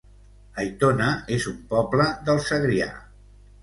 Aitona es un poble del Segrià